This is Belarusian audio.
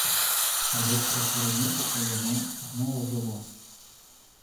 Але праз пару месяцаў яно зноў ажыло.